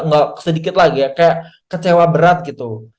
nggak sedikit lagi ya kayak kecewa berat gitu